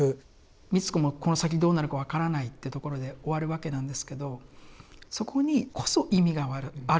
美津子もこの先どうなるか分からないってところで終わるわけなんですけどそこにこそ意味があるというか。